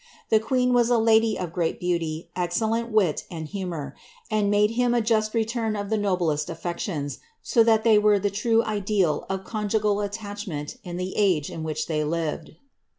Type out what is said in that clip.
The queen was a lady of great beauty, ezcelTent wit and humour, and nude him a just return of the noblest aflections, so that they were the true ideal of conjugal attachment in the age in which they lived."